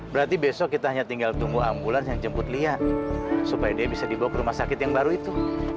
berarti besok kita hanya tinggal tunggu ambulans yang jemput liar supaya dia bisa dibawa ke rumah sakit yang baru itu